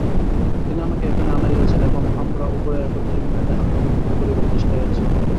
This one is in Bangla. তিনি আমাকে এখানে আনাইয়াছেন এবং আমরা উভয়ে একত্রে ইংলণ্ডে হাঙ্গাম করিবার চেষ্টায় আছি।